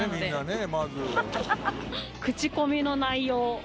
口コミの内容。